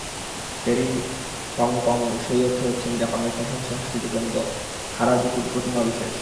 Carry Pamyu Pamyu সেই অর্থে হচ্ছেন জাপানের ফ্যাশন সংস্কৃতিকেন্দ্র হারাজুকুর প্রতিমা বিশেষ।